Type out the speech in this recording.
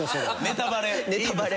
ネタバレ。